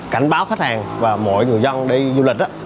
cảnh báo khách hàng và mọi người dân đi du lịch